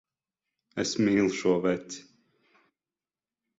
Es mīlu šo veci.